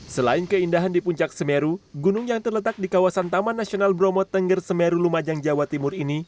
selain keindahan di puncak semeru gunung yang terletak di kawasan taman nasional bromo tengger semeru lumajang jawa timur ini